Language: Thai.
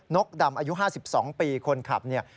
กดำอายุ๕๒ปีคนขับเนี่ย